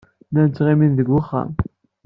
Llan ttɣimin deg wexxam.